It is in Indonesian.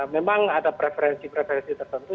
memang ada preferensi preferensi tertentu